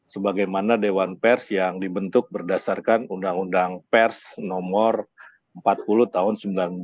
sebagaimana dewan pers yang dibentuk berdasarkan undang undang pers nomor empat puluh tahun seribu sembilan ratus sembilan puluh